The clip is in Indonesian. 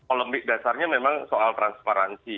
olembik dasarnya memang soal transparansi